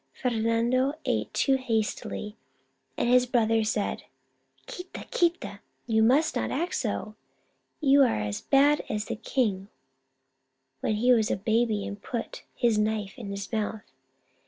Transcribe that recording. Fernando ate too hastily, and his brother said :" ghiita, quita ! You must not act so ! You are as bad as the king when he was a baby and put his knife in his mouth.